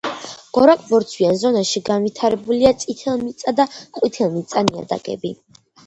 გორაკ-ბორცვიან ზონაში განვითარებულია წითელმიწა და ყვითელმიწა ნიადაგები.